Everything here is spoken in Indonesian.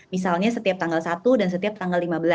misalnya setiap tanggal satu dan setiap tanggal lima belas